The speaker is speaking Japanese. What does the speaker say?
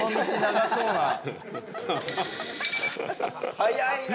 早いな！